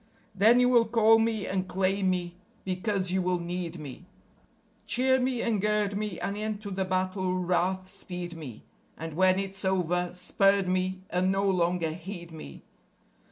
Then you will call me and claim me because you will need me; Cheer me and gird me and into the battle wrath speed me. ... And when it's over, spurn me and no longer heed me.